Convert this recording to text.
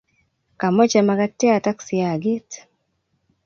kamoche mkatiat ak siagit.